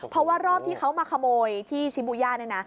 เพราะว่ารอบที่เขามาขโมยที่ชิบูย่าเนี่ยนะ